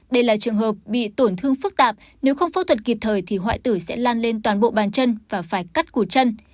đây là trường hợp bị tổn thương phức tạp nếu không phẫu thuật kịp thời thì hoại tử sẽ lan lên toàn bộ bàn chân và phải cắt cổ chân